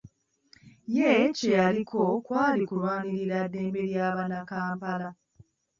Ye kye yaliko kwali kulwanirira ddembe lya Bannakampala .